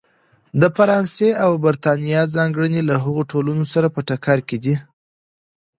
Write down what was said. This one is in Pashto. د فرانسې او برېټانیا ځانګړنې له هغو ټولنو سره په ټکر کې دي.